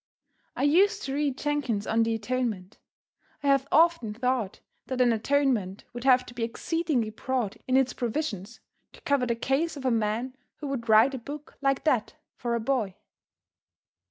I used to read Jenkyns' "On the Atonement." I have often thought that an atonement would have to be exceedingly broad in its provisions to cover the case of a man who would write a book like that for a boy.